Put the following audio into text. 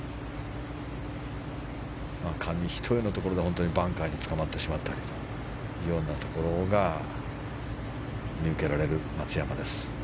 紙一重のところでバンカーにつかまってしまったりというようなところが見受けられる松山です。